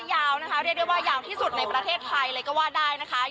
ยาวนะคะเรียกได้ว่ายาวที่สุดในประเทศไทยเลยก็ว่าได้นะคะ